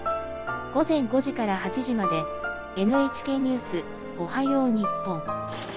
「午前５時から８時まで『ＮＨＫニュースおはよう日本』。